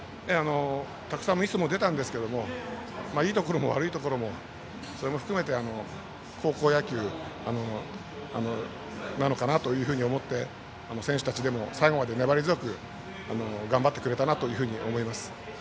たくさんミスも出たんですけどいいところも悪いところも含めて高校野球なのかなというふうに思って選手たち、最後まで粘り強く頑張ってくれたなと思います。